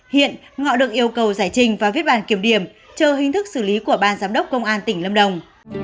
hiện ngọ được yêu cầu giải trình và viết bàn kiểm điểm chờ hình thức xử lý của ban giám đốc công an tỉnh lâm đồng